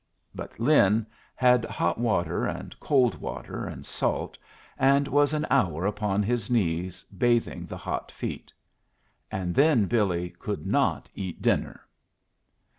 But Lin had hot water and cold water and salt, and was an hour upon his knees bathing the hot feet. And then Billy could not eat dinner!